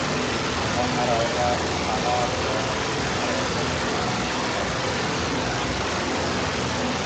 Zlama arawak ahala: draw marawa mamma neke may ?